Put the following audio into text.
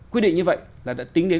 quyết định như vậy là đã tính đến